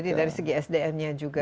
jadi dari segi sdm nya juga